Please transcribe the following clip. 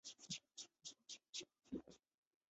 马甲经常和燕尾服等正装一并穿着。